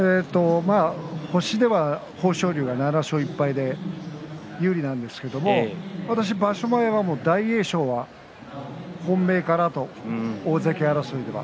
星では豊昇龍が７勝１敗で有利なんですけれども私、場所前は大栄翔が本命かなと大関争いでは。